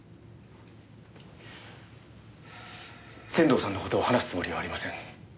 仙堂さんの事を話すつもりはありません。